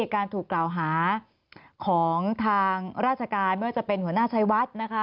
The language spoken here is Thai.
การถูกกล่าวหาของทางราชการไม่ว่าจะเป็นหัวหน้าชัยวัดนะคะ